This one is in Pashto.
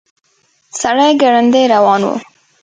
سړی ګړندي روان و.